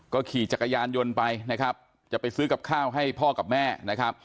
ขี่จักรยานยนต์ไปนะครับจะไปซื้อกับข้าวให้พ่อกับแม่นะครับ